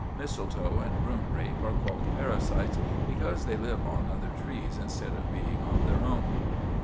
Mistletoe and broom rape are called parasites, because they live on other trees, instead of being on their own.